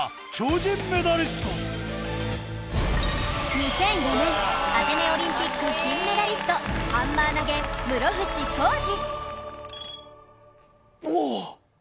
２００４年アテネオリンピック金メダリストハンマー投げ室伏広治